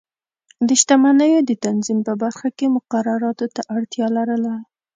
د شتمنیو د تنظیم په برخه کې مقرراتو ته اړتیا لرله.